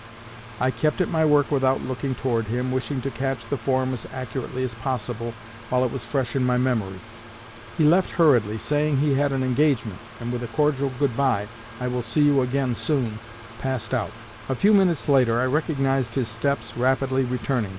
I kept at my work without looking toward him, wishing to catch the form as accurately as possible while it was fresh in my memory. He left hurriedly, saying he had an engagement, and with a cordial 'Good bye! I will see you again soon,' passed out. A few minutes after, I recognized his steps rapidly returning.